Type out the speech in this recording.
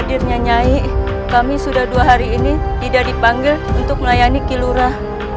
hadirnya nyai kami sudah dua hari ini tidak dipanggil untuk melayani kilura